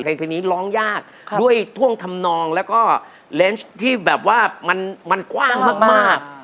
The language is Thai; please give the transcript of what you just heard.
เพลงนี้ร้องยากด้วยท่วงทำนองแล้วก็เลนส์ที่แบบว่ามันกว้างมาก